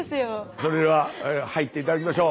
それでは入って頂きましょう。